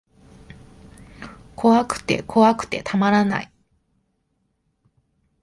怖くて怖くてたまらない